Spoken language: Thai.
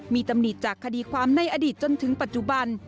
มีตำหนิจากคดีความในอดีตจนถึงปัจจุบัน